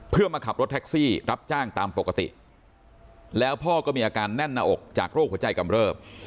เพื่อมาขับรถแท็กซี่รับจ้างตามปกติแล้วพ่อก็มีอาการแน่นหน้าอกจากโรคหัวใจกำเริบ